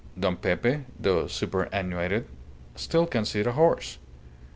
Don Pepe, though superannuated, still can sit a horse.